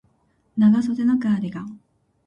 長袖のカーディガン